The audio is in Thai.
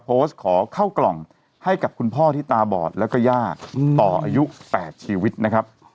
โพสต์ขอเข้ากล่องให้กับคุณพ่อที่ตาบอดแล้วก็ย่าต่ออายุ๘ชีวิตนะครับ